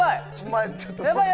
やばい！